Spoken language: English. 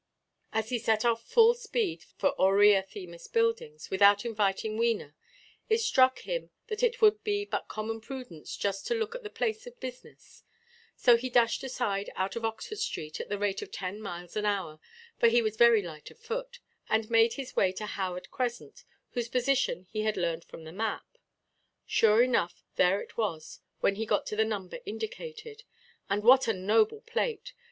As he set off full speed for Aurea Themis Buildings, without inviting Wena, it struck him that it would be but common prudence just to look at the place of business; so he dashed aside out of Oxford–street, at the rate of ten miles an hour—for he was very light of foot—and made his way to Howard–crescent, whose position he had learned from the map. Sure enough there it was, when he got to the number indicated. And what a noble plate!